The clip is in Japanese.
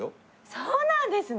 そうなんですね！